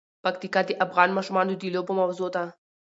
پکتیکا د افغان ماشومانو د لوبو موضوع ده.